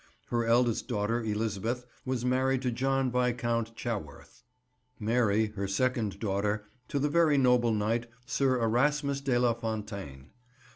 Her eldest daughter, Elizabeth, was married to John Viscount Chaworth: Mary, her second daughter, to the very noble Knight, Sr Erasmus de la Fontaine.